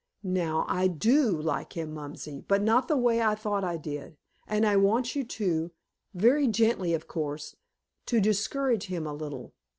Now, I DO like him, Mumsy, but not the way I thought I did, and I want you to very gently, of course to discourage him a little.